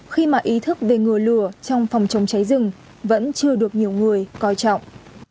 khi mà ý thức về ngừa lửa trong phòng chống cháy rừng vẫn chưa được nhiều người coi trọng